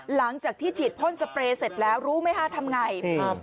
หลังจากที่ฉีดพ่นสเปรย์เสร็จแล้วรู้ไหมคะทำไงครับ